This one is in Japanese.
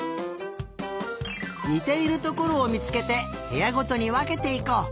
にているところをみつけてへやごとにわけていこう。